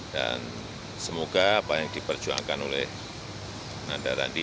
dan semoga apa yang diperjuangkan oleh ananda randi